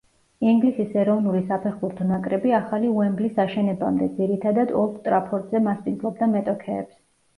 ინგლისის ეროვნული საფეხბურთო ნაკრები ახალი „უემბლის“ აშენებამდე, ძირითადად „ოლდ ტრაფორდზე“ მასპინძლობდა მეტოქეებს.